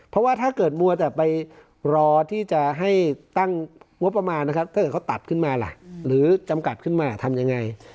เพราะว่าถ้าเกิดมัวแต่ไปรอที่จะให้ตั้งงบประมาณนะครับถ้าเกิดเขาตัดขึ้นมาล่ะหรือจำกัดขึ้นมาทำยังไง